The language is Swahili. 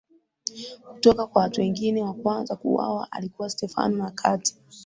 kutoka kwa watu wengine Wa kwanza kuuawa alikuwa Stefano na kati